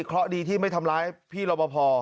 เพราะดีที่ไม่ทำร้ายพี่รอบพอ